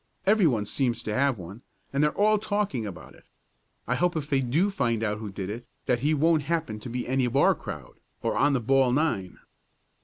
Everyone seems to have one, and they're all talking about it. I hope if they do find out who did it, that he won't happen to be any of our crowd or on the ball nine."